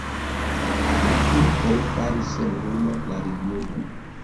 La turkoj faris senhoma la regionon.